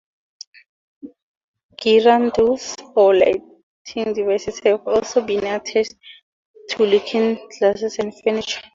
Girandoles, or lighting devices, have also been attached to looking glasses and furniture.